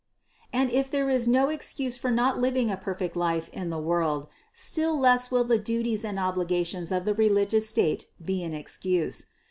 771. And if there is no excuse for not living a perfect life in the world, still less will the duties and obliga tions of the religious state be an excuse.